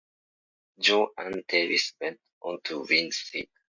Jo Ann Davis went on to win the seat.